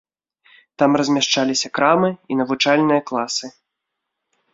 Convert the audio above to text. Там размяшчаліся крамы і навучальныя класы.